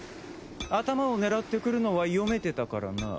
頭を狙ってくるのは読めてたからな。